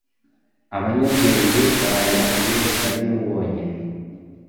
Abanyabwenge baya i Yerusalemu bonyine.